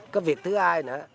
cái việc thứ hai nữa